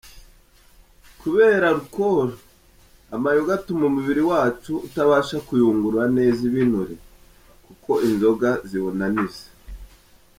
Kubera alcool, amayoga atuma umubiri wacu utabasha kuyungurura neza ibinure, kuko inzoga ziwunaniza.